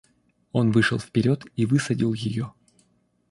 Он вышел вперед и высадил ее.